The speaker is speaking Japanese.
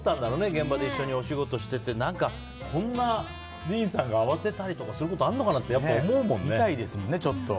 現場で一緒にお仕事しててディーンさんが慌てたりすることあるのかなって見たいですもん、ちょっと。